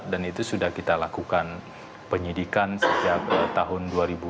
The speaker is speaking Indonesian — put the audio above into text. dan itu sudah kita lakukan penyidikan sejak tahun dua ribu empat belas